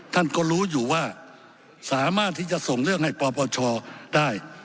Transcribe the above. ท่านก็รู้อยู่ว่าสามารถที่จะส่งเรื่องให้ปปชได้